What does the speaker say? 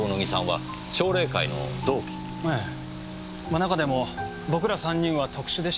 ま中でも僕ら３人は特殊でした。